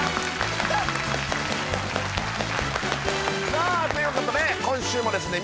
さあということで今週もですね